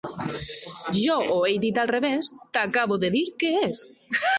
Jo o ell dit al revés, t'acabo de dir què és.